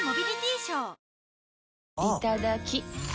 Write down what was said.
いただきっ！